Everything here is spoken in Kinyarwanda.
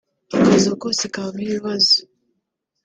Akazo kose kabamo ibibazo